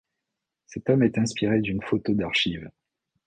Cet homme est inspiré d'une photo d'archive.